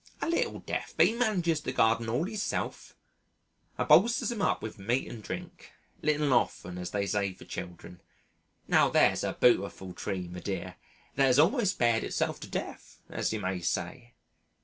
A little deaf, but he manages the garden all 'eesulf, I bolsters 'un up wi' meat and drink little and often as they zay for children.... Now there's a bootifull tree, me dear, that 'as almost beared itself to death, as you may say."